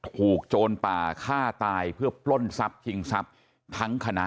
ถูกโจรป่าฆ่าตายเพื่อปล้นทิ่งสัปดิ์ทั้งคณะ